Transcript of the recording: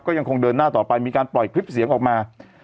ก็ยังคงเดินหน้าต่อไปมีการปล่อยคลิปเสียงออกมา